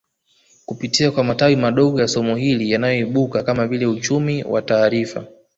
Kupitia kwa matawi madogo ya somo hili yanayoibuka kama vile uchumi wa taarifa